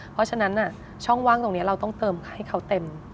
เพราะฉะนั้นช่องว่างตรงนี้เราต้องเติมให้เขาเต็ม